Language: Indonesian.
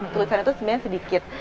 tulisan itu sebenarnya sedikit